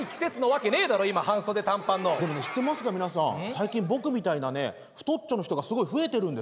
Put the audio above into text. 最近僕みたいなね太っちょの人がすごい増えてるんですって。